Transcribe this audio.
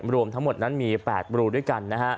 รวมทั้งหมดนั้นมี๘บรูด้วยกันนะฮะ